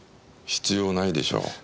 必要ないでしょう。